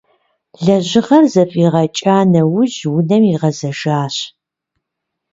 Лэжьыгъэр зэфӏигъэкӏа нэужь унэм игъэзэжащ.